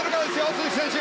鈴木選手。